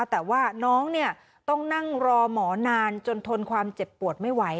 แต่ว่าน้องต้องนั่งรอหมอนานจนทนความเจ็บปวดไม่ไหว